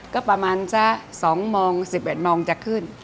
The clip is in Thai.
ก็ประมาณซะ๒มอง๑๑มองจะขึ้น